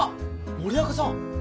森若さん